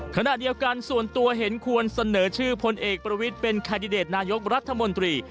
ขณะเดียวกันส่วนตัวเห็นควรเสนอชื่อพลเอกประวิทย์เป็นแคนดิเดตนายกรัฐมนตรี